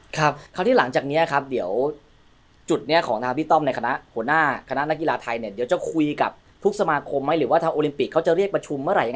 คราวที่หลังจากนี้ครับเดี๋ยวจุดนี้ของทางพี่ต้อมในคณะหัวหน้าคณะนักกีฬาไทยเนี่ยเดี๋ยวจะคุยกับทุกสมาคมไหมหรือว่าทางโอลิมปิกเขาจะเรียกประชุมเมื่อไหร่